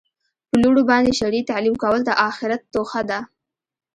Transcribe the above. په لوڼو باندي شرعي تعلیم کول د آخرت توښه ده